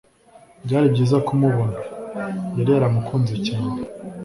byari byiza kumubona. yari yaramukunze cyane